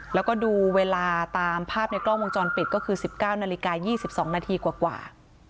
แล้วก็ดูเวลาตามภาพในกล้องวงจรปิดก็คือสิบเก้านาฬิกายี่สิบสองนาทีกว่า